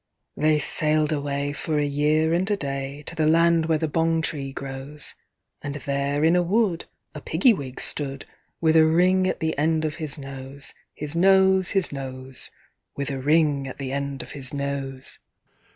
They sailed away for a year and a day, To the land where the Bong tree grows, And there in a wood a Piggy wig stood, With a ring at the end of his nose. His nose, His nose, With a ring at the end of his nose.